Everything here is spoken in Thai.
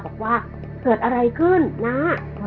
บอกว่าเกิดอะไรขึ้นนะ